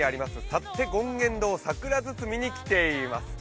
幸手権現堂桜堤に来ています。